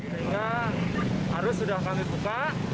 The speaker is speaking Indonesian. sehingga arus sudah kami buka